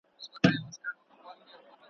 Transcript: تاته په سرو سترګو هغه شپه بندیوان څه ویل.